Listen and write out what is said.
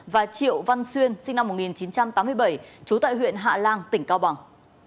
và triệu văn xuyên sinh năm một nghìn chín trăm tám mươi bảy trú tại huyện hạ lan tỉnh cao bằng